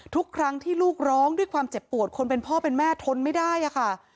ทุกครั้งที่ลูกร้องด้วยความเจ็บปวดคนเป็นพ่อเป็นแม่ทนไม่ได้ค่ะ